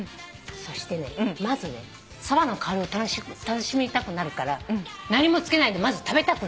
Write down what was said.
そしてねまずそばの香りを楽しみたくなるから何もつけないでまず食べたくなる。